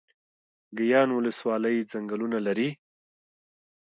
ګیان ولسوالۍ ځنګلونه لري؟